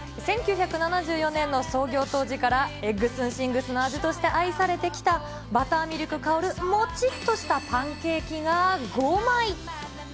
１９７４年の創業当時から、エッグスンシングスの味として愛されてきた、バターミルク香るもちっとしたパンケーキが５枚。